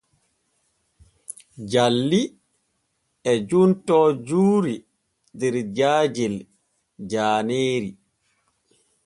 Jalli e juntoo juuri der jaajel jaaneeri.